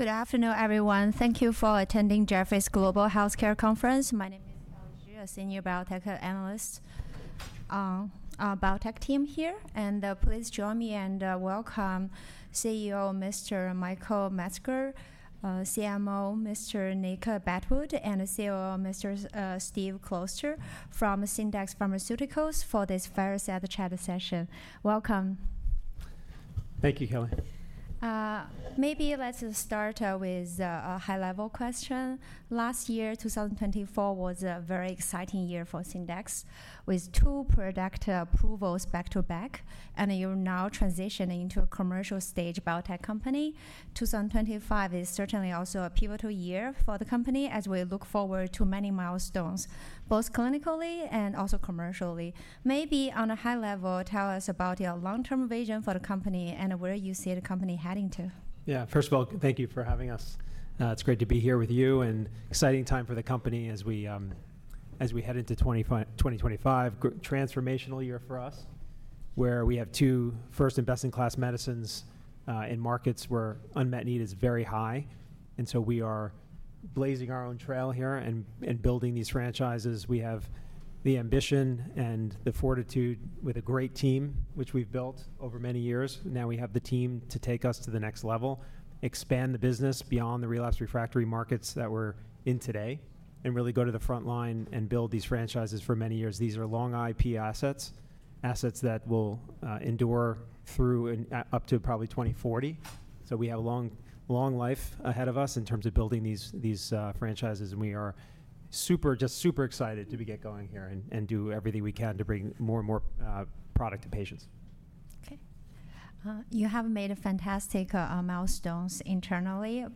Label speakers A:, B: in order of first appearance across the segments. A: Good afternoon, everyone. Thank you for attending Jefferies Global Healthcare Conference. My name is, a senior biotech analyst on our biotech team here. Please join me and welcome CEO Mr. Michael Metzger, CMO Mr. Nick Botwood, and COO Mr. Steve Closter from Syndax Pharmaceuticals for this Fireside Chat session. Welcome.
B: Thank you, Kelly.
A: Maybe let's start with a high-level question. Last year, 2023, was a very exciting year for Syndax, with two product approvals back to back, and you're now transitioning into a commercial-stage biotech company. 2025 is certainly also a pivotal year for the company, as we look forward to many milestones, both clinically and also commercially. Maybe on a high level, tell us about your long-term vision for the company and where you see the company heading to.
B: Yeah, first of all, thank you for having us. It's great to be here with you. Exciting time for the company as we head into 2025, a transformational year for us, where we have two first and best-in-class medicines in markets where unmet need is very high. We are blazing our own trail here and building these franchises. We have the ambition and the fortitude with a great team, which we've built over many years. Now we have the team to take us to the next level, expand the business beyond the relapsed refractory markets that we're in today, and really go to the front line and build these franchises for many years. These are long IP assets, assets that will endure through up to probably 2040. We have a long life ahead of us in terms of building these franchises. We are just super excited to get going here and do everything we can to bring more and more product to patients.
A: Okay. You have made fantastic milestones internally.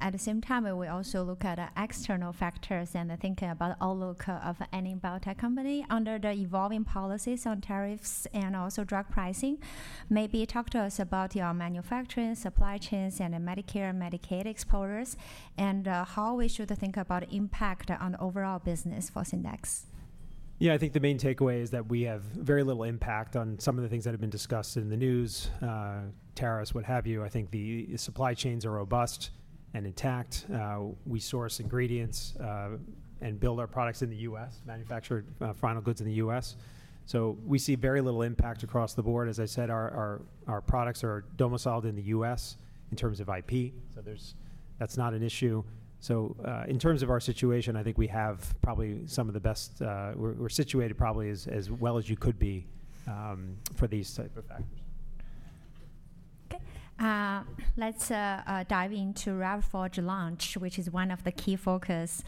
A: At the same time, we also look at external factors and think about the outlook of any biotech company under the evolving policies on tariffs and also drug pricing. Maybe talk to us about your manufacturing, supply chains, and Medicare and Medicaid exposures, and how we should think about the impact on overall business for Syndax.
B: Yeah, I think the main takeaway is that we have very little impact on some of the things that have been discussed in the news, tariffs, what have you. I think the supply chains are robust and intact. We source ingredients and build our products in the U.S., manufacture final goods in the U.S. We see very little impact across the board. As I said, our products are domiciled in the U.S. in terms of IP. That is not an issue. In terms of our situation, I think we have probably some of the best. We are situated probably as well as you could be for these types of factors.
A: Okay. Let's dive into Revuforj launch, which is one of the key focuses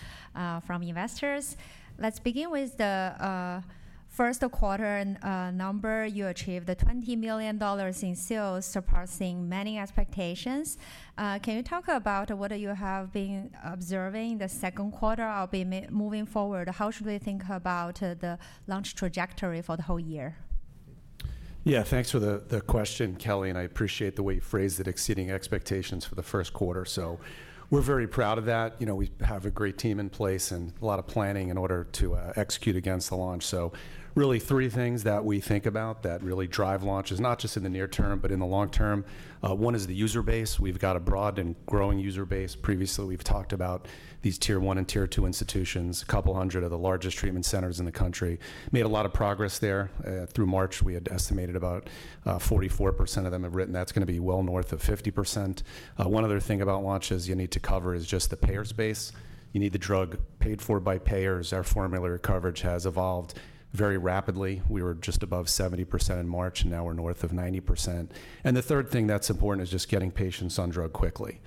A: from investors. Let's begin with the first quarter number. You achieved $20 million in sales, surpassing many expectations. Can you talk about what you have been observing in the second quarter or moving forward? How should we think about the launch trajectory for the whole year?
C: Yeah, thanks for the question, Kelly. I appreciate the way you phrased it, exceeding expectations for the first quarter. We're very proud of that. We have a great team in place and a lot of planning in order to execute against the launch. Really, three things that we think about that really drive launches, not just in the near term, but in the long term. One is the user base. We've got a broad and growing user base. Previously, we've talked about these tier one and tier two institutions, a couple hundred of the largest treatment centers in the country. Made a lot of progress there. Through March, we had estimated about 44% of them have written. That's going to be well north of 50%. One other thing about launches you need to cover is just the payer space. You need the drug paid for by payers. Our formulary coverage has evolved very rapidly. We were just above 70% in March, and now we're north of 90%. The third thing that's important is just getting patients on drug quickly.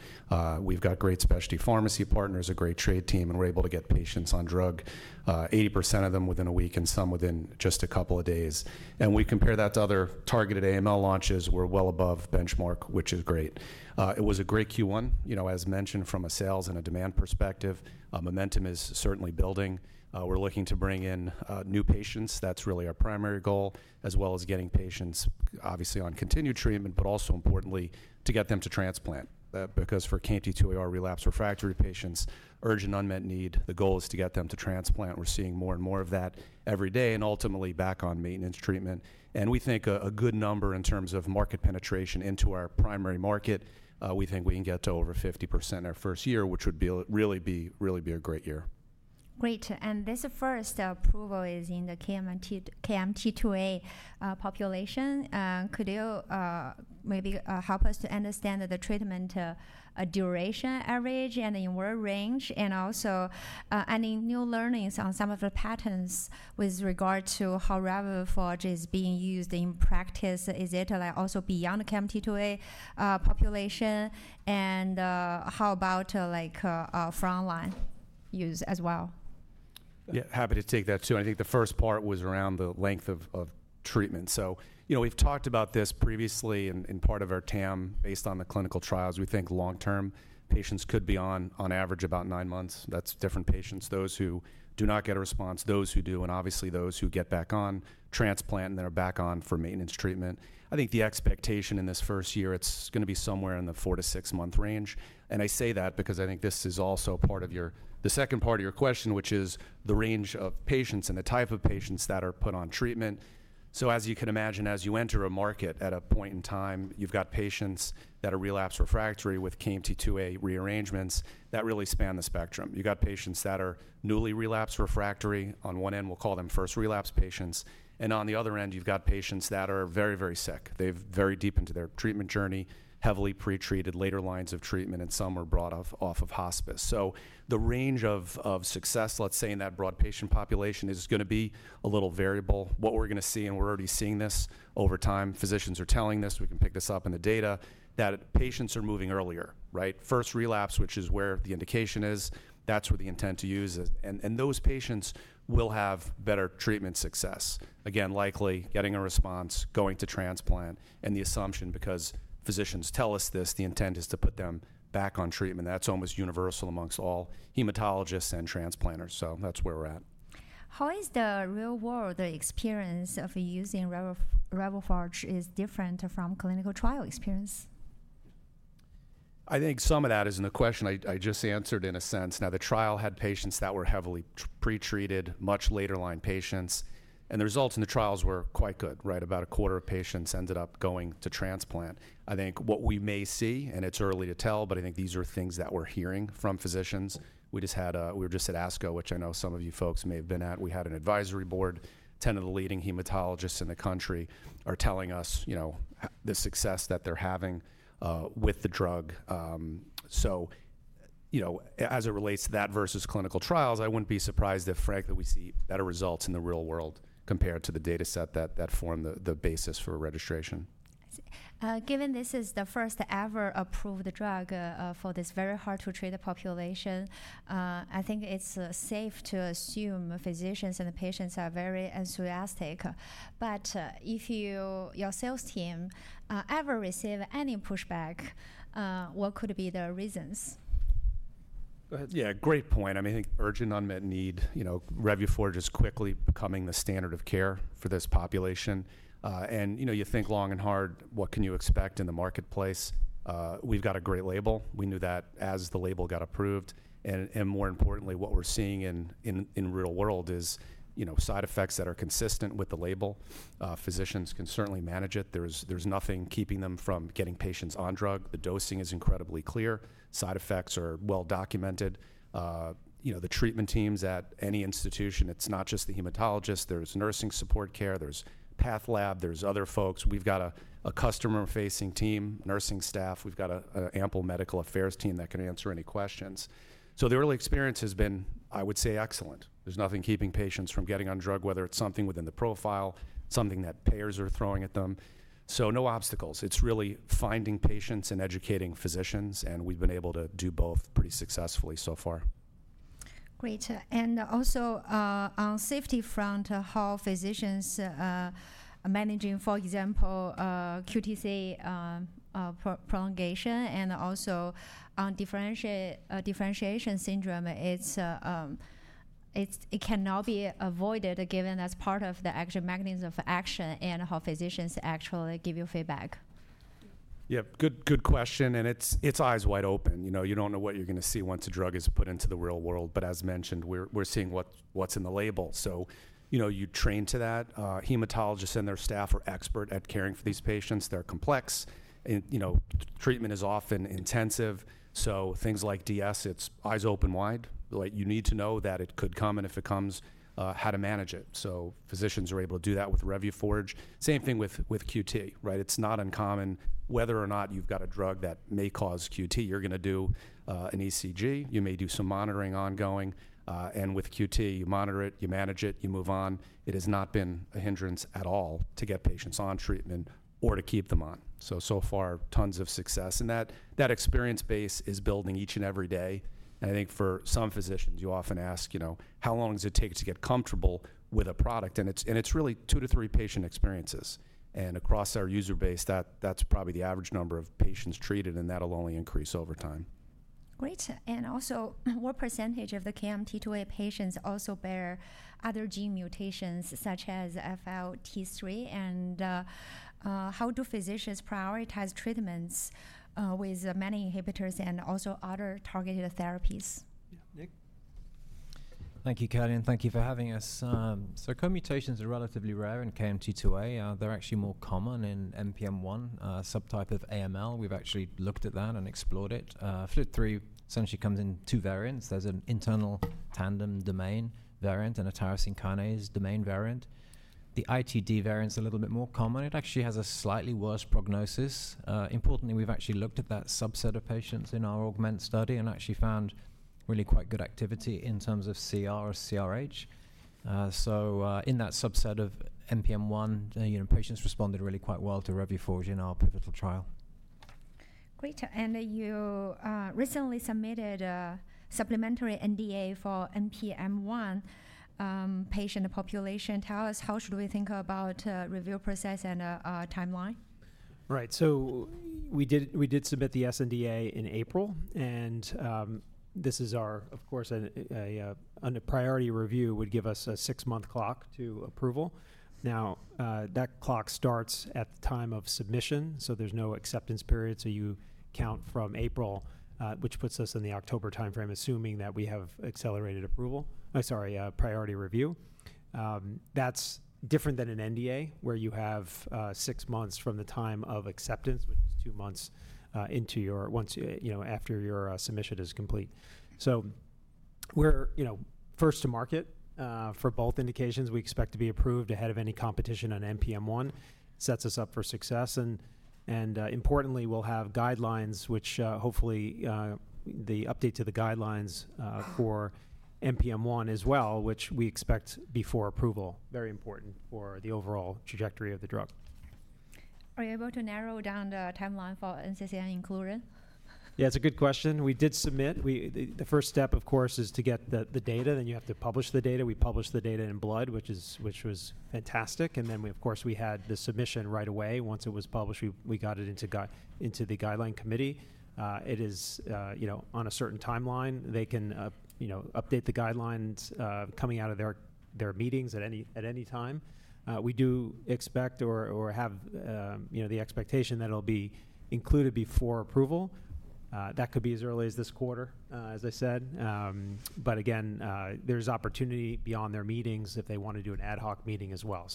C: We've got great specialty pharmacy partners, a great trade team, and we're able to get patients on drug, 80% of them within a week and some within just a couple of days. We compare that to other targeted AML launches. We're well above benchmark, which is great. It was a great Q1, as mentioned, from a sales and a demand perspective. Momentum is certainly building. We're looking to bring in new patients. That's really our primary goal, as well as getting patients, obviously, on continued treatment, but also, importantly, to get them to transplant. Because for KMT2A relapsed refractory patients, urgent unmet need, the goal is to get them to transplant. We're seeing more and more of that every day and ultimately back on maintenance treatment. We think a good number in terms of market penetration into our primary market, we think we can get to over 50% in our first year, which would really be a great year.
A: Great. This first approval is in the KMT2A population. Could you maybe help us to understand the treatment duration average and in what range, and also any new learnings on some of the patterns with regard to how Revuforj is being used in practice? Is it also beyond the KMT2A population? How about frontline use as well?
C: Yeah, happy to take that too. I think the first part was around the length of treatment. We've talked about this previously in part of our TAM based on the clinical trials. We think long-term patients could be on, on average, about nine months. That's different patients, those who do not get a response, those who do, and obviously those who get back on transplant and then are back on for maintenance treatment. I think the expectation in this first year, it's going to be somewhere in the four-to-six month range. I say that because I think this is also part of the second part of your question, which is the range of patients and the type of patients that are put on treatment. As you can imagine, as you enter a market at a point in time, you've got patients that are relapsed refractory with KMT2A rearrangements that really span the spectrum. You've got patients that are newly relapsed refractory. On one end, we'll call them first relapse patients. On the other end, you've got patients that are very, very sick. They're very deep into their treatment journey, heavily pretreated, later lines of treatment, and some were brought off of hospice. The range of success, let's say, in that broad patient population is going to be a little variable. What we're going to see, and we're already seeing this over time, physicians are telling us this, we can pick this up in the data, that patients are moving earlier, right? First relapse, which is where the indication is, that's where the intent to use is. Those patients will have better treatment success. Again, likely getting a response, going to transplant, and the assumption, because physicians tell us this, the intent is to put them back on treatment. That is almost universal amongst all hematologists and transplanters. That is where we are at.
A: How is the real-world experience of using Revuforj different from clinical trial experience?
C: I think some of that is in the question I just answered in a sense. Now, the trial had patients that were heavily pretreated, much later-line patients. The results in the trials were quite good, right? About a quarter of patients ended up going to transplant. I think what we may see, and it's early to tell, but I think these are things that we're hearing from physicians. We were just at ASCO, which I know some of you folks may have been at. We had an advisory board. Ten of the leading hematologists in the country are telling us the success that they're having with the drug. As it relates to that versus clinical trials, I wouldn't be surprised if, frankly, we see better results in the real world compared to the data set that formed the basis for registration.
A: Given this is the first-ever approved drug for this very hard-to-treat population, I think it's safe to assume physicians and patients are very enthusiastic. If your sales team ever receive any pushback, what could be the reasons?
C: Yeah, great point. I mean, I think urgent unmet need, Revuforj is quickly becoming the standard of care for this population. You think long and hard, what can you expect in the marketplace? We've got a great label. We knew that as the label got approved. More importantly, what we're seeing in the real world is side effects that are consistent with the label. Physicians can certainly manage it. There's nothing keeping them from getting patients on drug. The dosing is incredibly clear. Side effects are well documented. The treatment teams at any institution, it's not just the hematologist. There's nursing support care. There's PathLab. There's other folks. We've got a customer-facing team, nursing staff. We've got an ample medical affairs team that can answer any questions. The early experience has been, I would say, excellent. There's nothing keeping patients from getting on drug, whether it's something within the profile, something that payers are throwing at them. No obstacles. It's really finding patients and educating physicians. We've been able to do both pretty successfully so far.
A: Great. Also on the safety front, how physicians are managing, for example, QTc prolongation and also differentiation syndrome, it cannot be avoided given that's part of the actual mechanism of action and how physicians actually give you feedback.
C: Yeah, good question. It's eyes wide open. You don't know what you're going to see once a drug is put into the real world. As mentioned, we're seeing what's in the label. You train to that. Hematologists and their staff are expert at caring for these patients. They're complex. Treatment is often intensive. Things like DS, it's eyes open wide. You need to know that it could come. If it comes, how to manage it. Physicians are able to do that with Revuforj. Same thing with QT, right? It's not uncommon. Whether or not you've got a drug that may cause QT, you're going to do an ECG. You may do some monitoring ongoing. With QT, you monitor it, you manage it, you move on. It has not been a hindrance at all to get patients on treatment or to keep them on. So far, tons of success. That experience base is building each and every day. I think for some physicians, you often ask, how long does it take to get comfortable with a product? It is really two to three patient experiences. Across our user base, that is probably the average number of patients treated. That will only increase over time.
A: Great. Also, what percentage of the KMT2A patients also bear other gene mutations such as FLT3? How do physicians prioritize treatments with many inhibitors and also other targeted therapies?
D: Thank you, Kelly. Thank you for having us. Co-mutations are relatively rare in KMT2A. They're actually more common in NPM1, a subtype of AML. We've actually looked at that and explored it. FLT3 essentially comes in two variants. There's an internal tandem duplication variant and a tyrosine kinase domain variant. The ITD variant's a little bit more common. It actually has a slightly worse prognosis. Importantly, we've actually looked at that subset of patients in our AUGMENT study and actually found really quite good activity in terms of CR or CRh. In that subset of NPM1, patients responded really quite well to Revuforj in our pivotal trial.
A: Great. You recently submitted a supplementary NDA for MPM1 patient population. Tell us, how should we think about the review process and timeline?
B: Right. We did submit the sNDA in April. This is our, of course, a priority review would give us a six-month clock to approval. That clock starts at the time of submission. There is no acceptance period. You count from April, which puts us in the October timeframe, assuming that we have accelerated approval, sorry, priority review. That is different than an NDA where you have six months from the time of acceptance, which is two months after your submission is complete. We are first to market for both indications. We expect to be approved ahead of any competition on NPM1. Sets us up for success. Importantly, we will have guidelines, which hopefully the update to the guidelines for NPM1 as well, which we expect before approval, very important for the overall trajectory of the drug.
A: Are you able to narrow down the timeline for NCCN inclusion?
B: Yeah, it's a good question. We did submit. The first step, of course, is to get the data. Then you have to publish the data. We published the data in Blood, which was fantastic. Then we, of course, had the submission right away. Once it was published, we got it into the guideline committee. It is on a certain timeline. They can update the guidelines coming out of their meetings at any time. We do expect or have the expectation that it'll be included before approval. That could be as early as this quarter, as I said. There is opportunity beyond their meetings if they want to do an ad hoc meeting as well.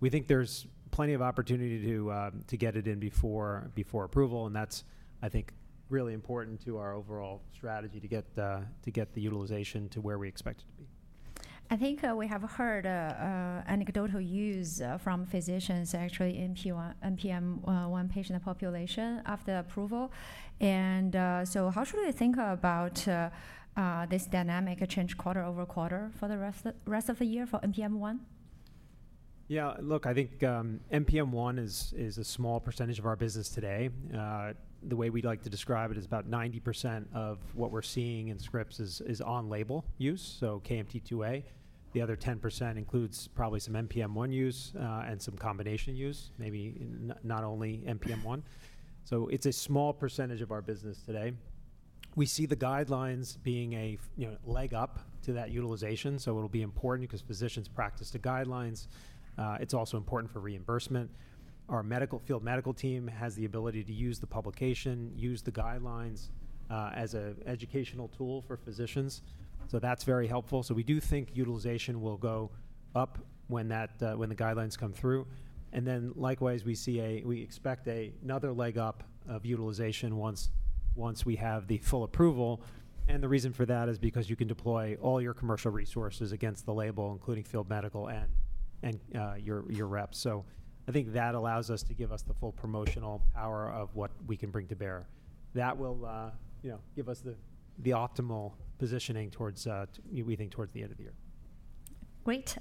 B: We think there's plenty of opportunity to get it in before approval. I think that's really important to our overall strategy to get the utilization to where we expect it to be.
A: I think we have heard anecdotal use from physicians, actually, in NPM1 patient population after approval. And so how should we think about this dynamic change quarter over quarter for the rest of the year for NPM1?
B: Yeah, look, I think NPM1 is a small percentage of our business today. The way we'd like to describe it is about 90% of what we're seeing in scripts is on-label use, so KMT2A. The other 10% includes probably some NPM1 use and some combination use, maybe not only NPM1. It is a small percentage of our business today. We see the guidelines being a leg up to that utilization. It will be important because physicians practice the guidelines. It is also important for reimbursement. Our field medical team has the ability to use the publication, use the guidelines as an educational tool for physicians. That is very helpful. We do think utilization will go up when the guidelines come through. Likewise, we expect another leg up of utilization once we have the full approval. The reason for that is because you can deploy all your commercial resources against the label, including field medical and your reps. I think that allows us to give us the full promotional power of what we can bring to bear. That will give us the optimal positioning, we think, towards the end of the year.
A: Great.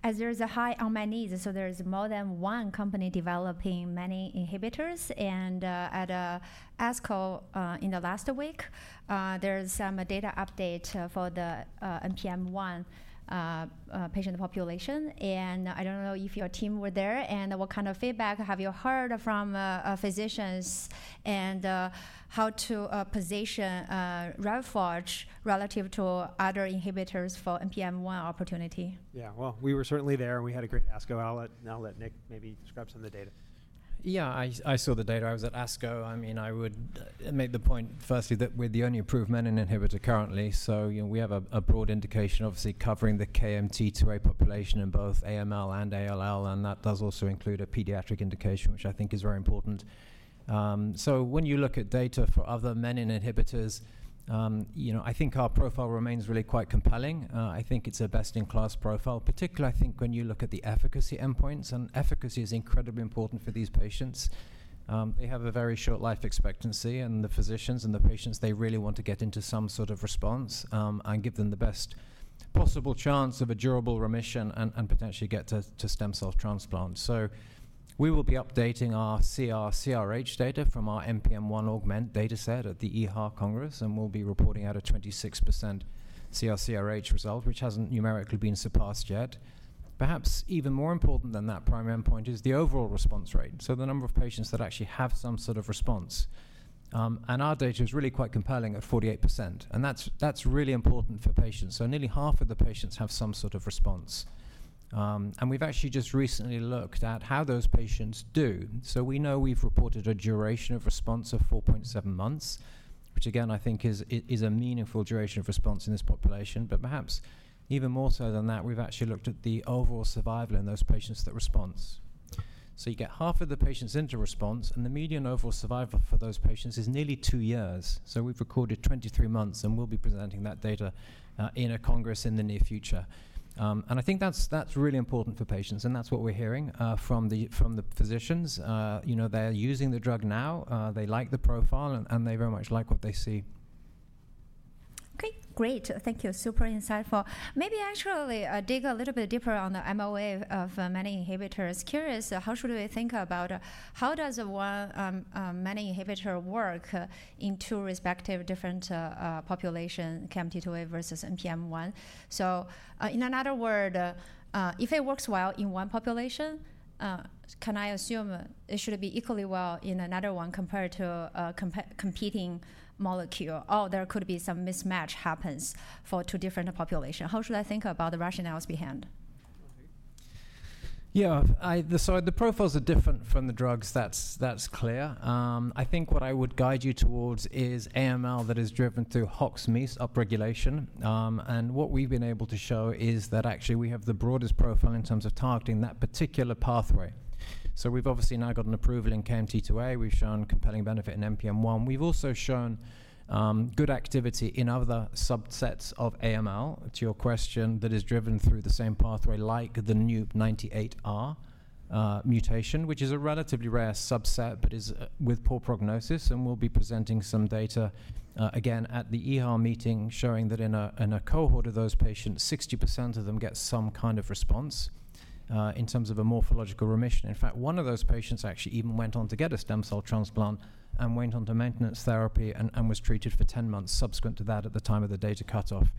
A: As there is a high unmet need, there is more than one company developing menin inhibitors. At ASCO in the last week, there is some data update for the NPM1 patient population. I do not know if your team were there. What kind of feedback have you heard from physicians and how do you position Revuforj relative to other inhibitors for the NPM1 opportunity?
B: Yeah, we were certainly there. We had a great ASCO. I'll let Nick maybe describe some of the data.
D: Yeah, I saw the data. I was at ASCO. I mean, I would make the point, firstly, that we're the only approved menin inhibitor currently. We have a broad indication, obviously, covering the KMT2A population in both AML and ALL. That does also include a pediatric indication, which I think is very important. When you look at data for other menin inhibitors, I think our profile remains really quite compelling. I think it's a best-in-class profile, particularly, I think, when you look at the efficacy endpoints. Efficacy is incredibly important for these patients. They have a very short life expectancy. The physicians and the patients, they really want to get into some sort of response and give them the best possible chance of a durable remission and potentially get to stem cell transplant. We will be updating our CR/CRh data from our NPM1 augment dataset at the EHA Congress. We'll be reporting out a 26% CR/CRh result, which hasn't numerically been surpassed yet. Perhaps even more important than that primary endpoint is the overall response rate, so the number of patients that actually have some sort of response. Our data is really quite compelling at 48%. That's really important for patients. Nearly half of the patients have some sort of response. We've actually just recently looked at how those patients do. We know we've reported a duration of response of 4.7 months, which again, I think, is a meaningful duration of response in this population. Perhaps even more so than that, we've actually looked at the overall survival in those patients that response. You get half of the patients into response. The median overall survival for those patients is nearly two years. We've recorded 23 months. We'll be presenting that data in a congress in the near future. I think that's really important for patients. That's what we're hearing from the physicians. They're using the drug now. They like the profile. They very much like what they see.
A: Okay, great. Thank you. Super insightful. Maybe actually dig a little bit deeper on the MOA of menin inhibitors. Curious, how should we think about how does one menin inhibitor work in two respective different populations, KMT2A versus NPM1? In another word, if it works well in one population, can I assume it should be equally well in another one compared to a competing molecule? Or there could be some mismatch happens for two different populations. How should I think about the rationales behind?
D: Yeah, so the profiles are different from the drugs. That's clear. I think what I would guide you towards is AML that is driven through HOX/Meis upregulation. And what we've been able to show is that actually we have the broadest profile in terms of targeting that particular pathway. So we've obviously now got an approval in KMT2A. We've shown compelling benefit in NPM1. We've also shown good activity in other subsets of AML. To your question, that is driven through the same pathway like the NUP98r mutation, which is a relatively rare subset but is with poor prognosis. And we'll be presenting some data again at the EHA meeting showing that in a cohort of those patients, 60% of them get some kind of response in terms of a morphological remission. In fact, one of those patients actually even went on to get a stem cell transplant and went on to maintenance therapy and was treated for 10 months subsequent to that at the time of the data cutoff.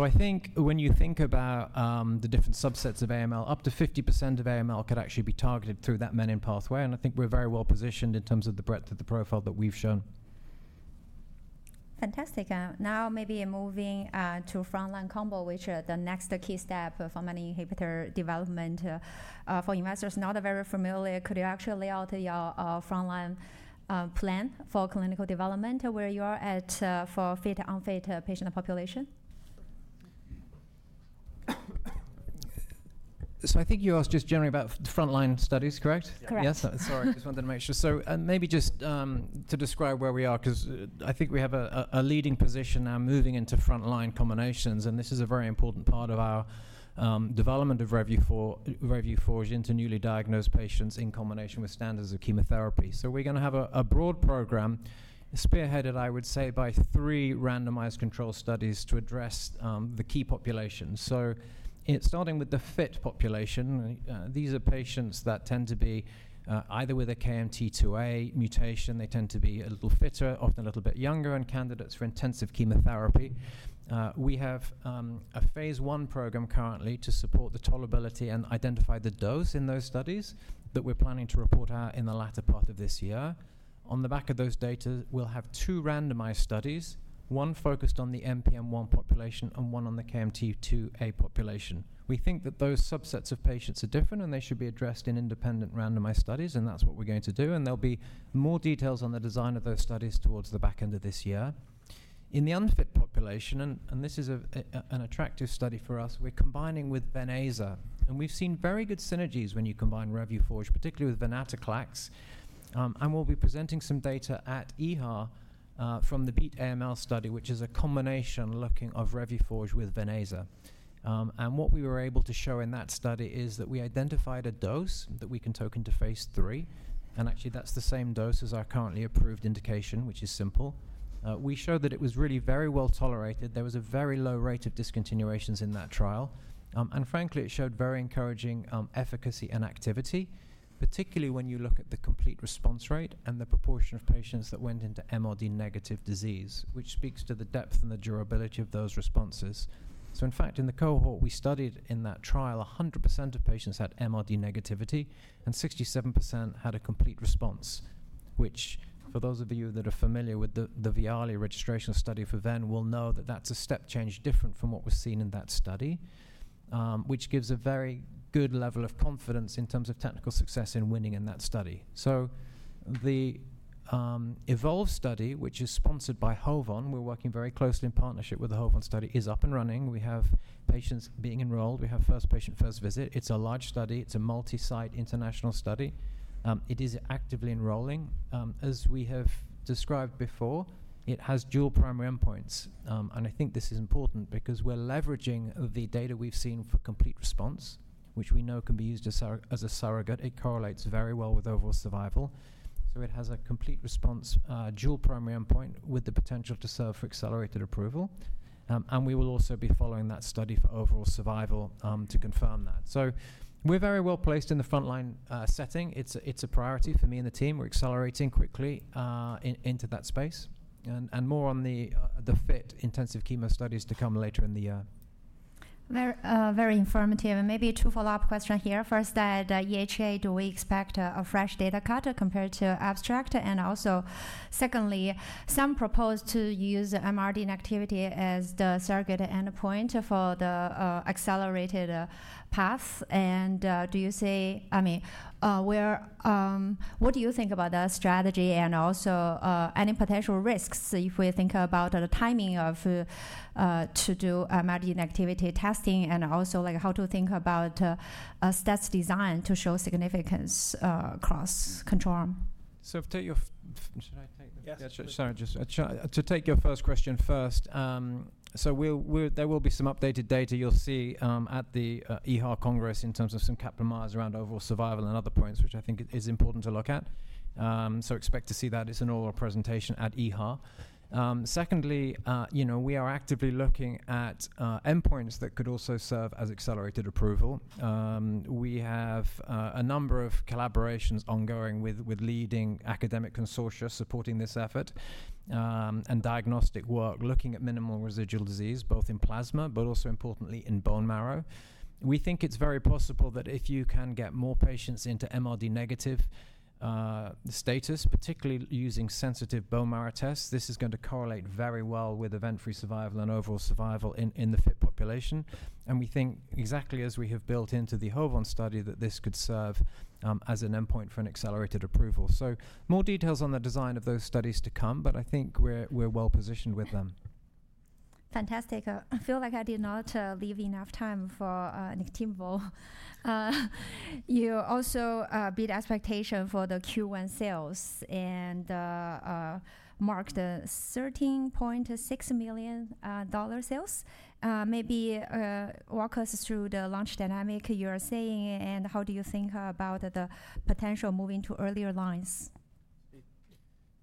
D: I think when you think about the different subsets of AML, up to 50% of AML could actually be targeted through that menin pathway. I think we're very well positioned in terms of the breadth of the profile that we've shown.
A: Fantastic. Now maybe moving to frontline combo, which are the next key step for menin inhibitor development. For investors not very familiar, could you actually lay out your frontline plan for clinical development, where you are at for fit-unfit patient population?
D: I think you asked just generally about frontline studies, correct?
A: Correct.
D: Yes? Sorry, I just wanted to make sure. Maybe just to describe where we are, because I think we have a leading position now moving into frontline combinations. This is a very important part of our development of Revuforj into newly diagnosed patients in combination with standards of chemotherapy. We are going to have a broad program spearheaded, I would say, by three randomized control studies to address the key population. Starting with the fit population, these are patients that tend to be either with a KMT2A mutation. They tend to be a little fitter, often a little bit younger, and candidates for intensive chemotherapy. We have a phase one program currently to support the tolerability and identify the dose in those studies that we are planning to report out in the latter part of this year. On the back of those data, we'll have two randomized studies, one focused on the NPM1 population and one on the KMT2A population. We think that those subsets of patients are different. They should be addressed in independent randomized studies. That's what we're going to do. There'll be more details on the design of those studies towards the back end of this year. In the unfit population, and this is an attractive study for us, we're combining with venetoclax. We've seen very good synergies when you combine Revuforj, particularly with venetoclax. We'll be presenting some data at EHA from the BEAT-AML study, which is a combination looking at Revuforj with [veneza]. What we were able to show in that study is that we identified a dose that we can take into phase three. Actually, that's the same dose as our currently approved indication, which is simple. We showed that it was really very well tolerated. There was a very low rate of discontinuations in that trial. Frankly, it showed very encouraging efficacy and activity, particularly when you look at the complete response rate and the proportion of patients that went into MRD negative disease, which speaks to the depth and the durability of those responses. In fact, in the cohort we studied in that trial, 100% of patients had MRD negativity and 67% had a complete response, which for those of you that are familiar with the Vialli registration study for Venn will know that that's a step change different from what was seen in that study, which gives a very good level of confidence in terms of technical success in winning in that study. The EVOLVE study, which is sponsored by HOVON, we're working very closely in partnership with the HOVON study, is up and running. We have patients being enrolled. We have first patient, first visit. It's a large study. It's a multi-site international study. It is actively enrolling. As we have described before, it has dual primary endpoints. I think this is important because we're leveraging the data we've seen for complete response, which we know can be used as a surrogate. It correlates very well with overall survival. It has a complete response, dual primary endpoint with the potential to serve for accelerated approval. We will also be following that study for overall survival to confirm that. We're very well placed in the frontline setting. It's a priority for me and the team. We're accelerating quickly into that space. More on the fit intensive chemo studies to come later in the year.
A: Very informative. Maybe two follow-up questions here. First, at EHA, do we expect a fresh data cut compared to abstract? Also, some proposed to use MRD inactivity as the surrogate endpoint for the accelerated path. Do you say, I mean, what do you think about that strategy and also any potential risks if we think about the timing of to do MRD inactivity testing and also how to think about stats design to show significance across control arm?
D: Should I take the first question?
B: Yes, sure.
D: Sorry, just to take your first question first. There will be some updated data you'll see at the EHA Congress in terms of some Kaplan-Meier around overall survival and other points, which I think is important to look at. Expect to see that. It's an oral presentation at EHA. Secondly, we are actively looking at endpoints that could also serve as accelerated approval. We have a number of collaborations ongoing with leading academic consortia supporting this effort and diagnostic work looking at minimal residual disease, both in plasma, but also importantly in bone marrow. We think it's very possible that if you can get more patients into MRD negative status, particularly using sensitive bone marrow tests, this is going to correlate very well with event-free survival and overall survival in the fit population. We think exactly as we have built into the HOVON study that this could serve as an endpoint for an accelerated approval. More details on the design of those studies to come. I think we're well positioned with them.
A: Fantastic. I feel like I did not leave enough time for Niktimvo. You also beat expectation for the Q1 sales and marked $13.6 million sales. Maybe walk us through the launch dynamic you are seeing and how do you think about the potential moving to earlier lines?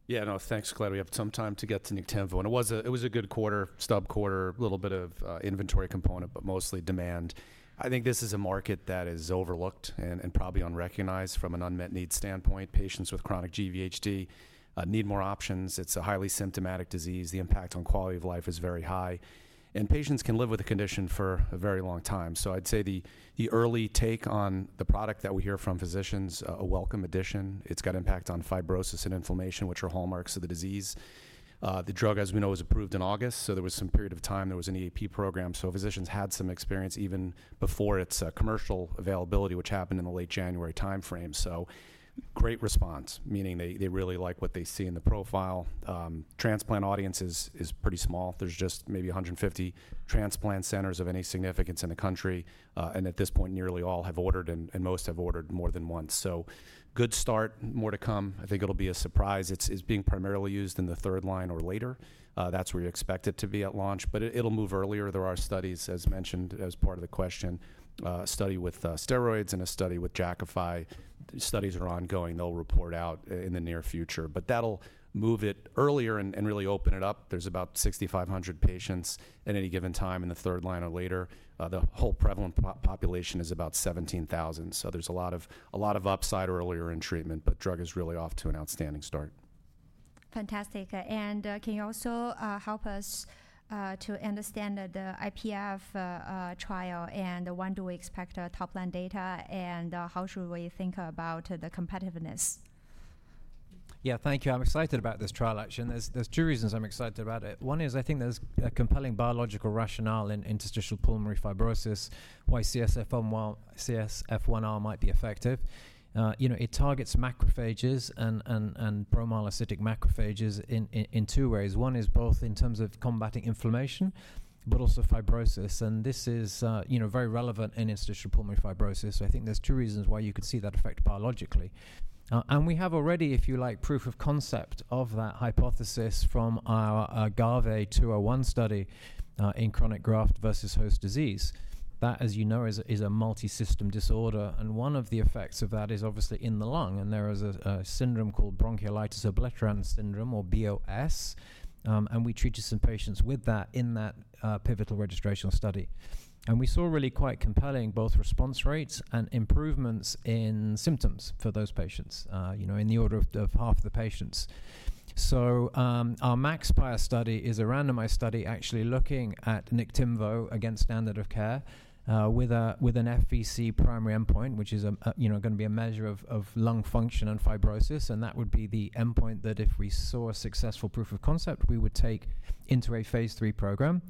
C: Yeah, no, thanks, Kelly. We have some time to get to Niktimvo. It was a good quarter, stub quarter, a little bit of inventory component, but mostly demand. I think this is a market that is overlooked and probably unrecognized from an unmet needs standpoint. Patients with chronic GVHD need more options. It's a highly symptomatic disease. The impact on quality of life is very high. Patients can live with the condition for a very long time. I'd say the early take on the product that we hear from physicians, a welcome addition. It's got impact on fibrosis and inflammation, which are hallmarks of the disease. The drug, as we know, was approved in August. There was some period of time there was an EAP program. Physicians had some experience even before its commercial availability, which happened in the late January time frame. Great response, meaning they really like what they see in the profile. Transplant audience is pretty small. There are just maybe 150 transplant centers of any significance in the country. At this point, nearly all have ordered, and most have ordered more than once. Good start, more to come. I think it'll be a surprise. It's being primarily used in the third line or later. That's where you expect it to be at launch. It'll move earlier. There are studies, as mentioned, as part of the question, a study with steroids and a study with Jakafi. Studies are ongoing. They'll report out in the near future. That'll move it earlier and really open it up. There are about 6,500 patients at any given time in the third line or later. The whole prevalent population is about 17,000. There's a lot of upside earlier in treatment. Drug is really off to an outstanding start.
A: Fantastic. Can you also help us to understand the IPF trial? When do we expect top line data? How should we think about the competitiveness?
D: Yeah, thank you. I'm excited about this trial action. There are two reasons I'm excited about it. One is I think there's a compelling biological rationale in idiopathic pulmonary fibrosis why CSF1R might be effective. It targets macrophages and promyelocytic macrophages in two ways. One is both in terms of combating inflammation, but also fibrosis. This is very relevant in [idiopathic] pulmonary fibrosis. I think there are two reasons why you could see that effect biologically. We have already, if you like, proof of concept of that hypothesis from our AGAVE-201 study in chronic graft-versus-host disease. That, as you know, is a multisystem disorder. One of the effects of that is obviously in the lung. There is a syndrome called bronchiolitis obliterans syndrome, or BOS. We treated some patients with that in that pivotal registration study. We saw really quite compelling both response rates and improvements in symptoms for those patients in the order of half the patients. Our MaxPIRE study is a randomized study actually looking at Niktimvo against standard of care with an FVC primary endpoint, which is going to be a measure of lung function and fibrosis. That would be the endpoint that if we saw a successful proof of concept, we would take into a phase three program.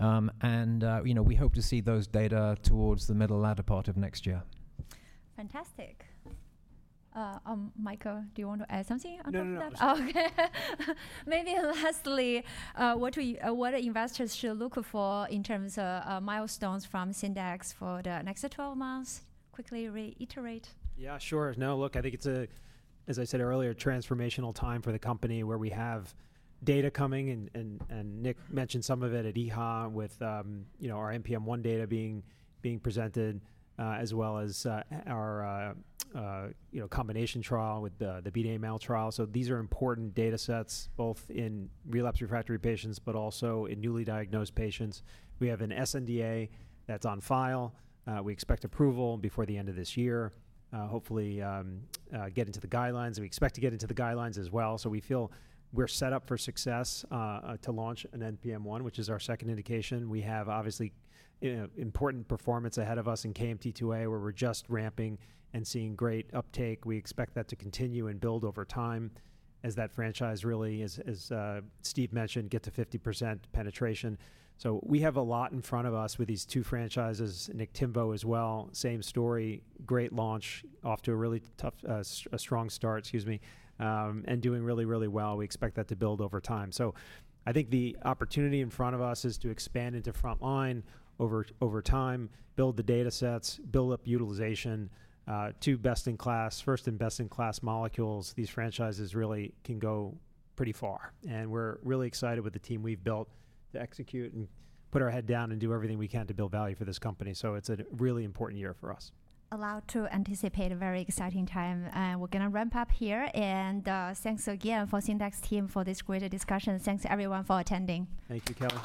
D: We hope to see those data towards the middle latter part of next year.
A: Fantastic. Michael, do you want to add something on top of that?
B: No, no.
A: OK. Maybe lastly, what investors should look for in terms of milestones from Syndax for the next 12 months? Quickly reiterate.
B: Yeah, sure. No, look, I think it's a, as I said earlier, transformational time for the company where we have data coming. Nick mentioned some of it at EHA with our NPM1 data being presented, as well as our combination trial with the BEAT-AML trial. These are important data sets both in relapsed refractory patients, but also in newly diagnosed patients. We have an sNDA that's on file. We expect approval before the end of this year, hopefully get into the guidelines. We expect to get into the guidelines as well. We feel we're set up for success to launch in NPM1, which is our second indication. We have obviously important performance ahead of us in KMT2A, where we're just ramping and seeing great uptake. We expect that to continue and build over time as that franchise really, as Steve mentioned, gets to 50% penetration. We have a lot in front of us with these two franchises, Niktimvo as well. Same story, great launch off to a really tough, a strong start, excuse me, and doing really, really well. We expect that to build over time. I think the opportunity in front of us is to expand into frontline over time, build the data sets, build up utilization to best in class, first and best in class molecules. These franchises really can go pretty far. We are really excited with the team we have built to execute and put our head down and do everything we can to build value for this company. It is a really important year for us.
A: Allowed to anticipate a very exciting time. We're going to wrap up here. Thanks again for Syndax team for this great discussion. Thanks everyone for attending.
B: Thank you, Kelly.